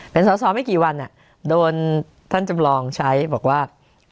เป็นสอสอไม่กี่วันโดนท่านจำลองใช้บอกว่า